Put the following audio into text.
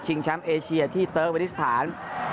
แชมป์เอเชียที่เตอร์เวนิสถาน